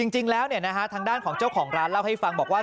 จริงแล้วทางด้านของเจ้าของร้านเล่าให้ฟังบอกว่า